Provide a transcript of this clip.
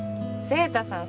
晴太さん